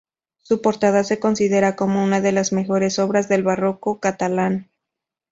Su portada se considera como una de las mejores obras del barroco catalán.